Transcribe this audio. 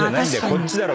こっちだろ。